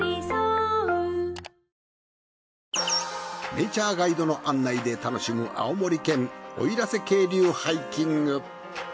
ネイチャーガイドの案内で楽しむ青森県奥入瀬渓流ハイキング。